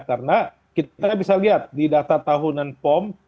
karena kita bisa lihat di data tahunan pom